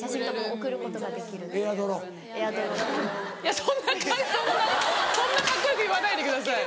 そんなそんなカッコよく言わないでください。